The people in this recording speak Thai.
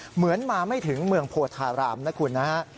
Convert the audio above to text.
เหมือนมาไม่ถึงเมืองโพธารามนะคุณนะฮะ